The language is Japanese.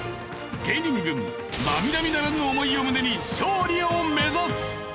芸人軍並々ならぬ思いを胸に勝利を目指す！